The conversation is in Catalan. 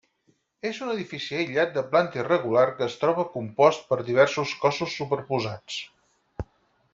És un edifici aïllat de planta irregular que es troba compost per diversos cossos superposats.